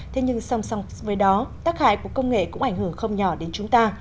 thế nhưng song song với đó tác hại của công nghệ cũng ảnh hưởng không nhỏ đến chúng ta